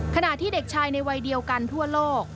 ขณะที่เด็กชายในวัยเดียวกันทั่วโลก